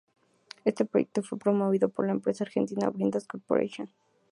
Este proyecto fue promovido por la empresa argentina Bridas Corporation.